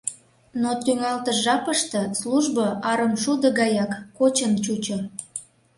Но тӱҥалтыш жапыште службо арымшудо гаяк кочын чучо.